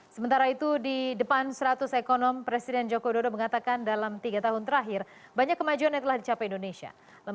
sementara itu di depan seratus ekonom presiden joko widodo mengatakan dalam tiga tahun terakhir banyak kemajuan yang telah dicapai indonesia